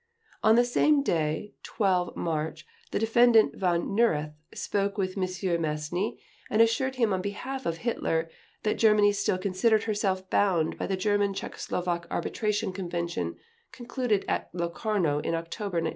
On the same day, 12 March, the Defendant Von Neurath spoke with M. Mastny, and assured him on behalf of Hitler that Germany still considered herself bound by the German Czechoslovak Arbitration Convention concluded at Locarno in October 1925.